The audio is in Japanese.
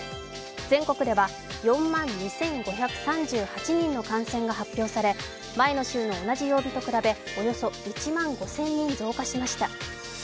全国では４万２５３８人の感染が発表され前の週の同じ曜日と比べおよそ１万５０００人増加しました。